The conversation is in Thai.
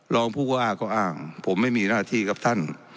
รองผู้ว่าก็อ้างผมไม่มีหน้าที่ครับท่าน